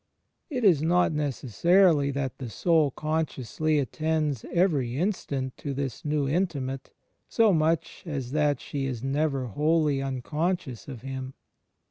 It is not, necessarily, that the soul consciously attends every instant to this new intimate, so much as that she is never wholly imconsdous of Him.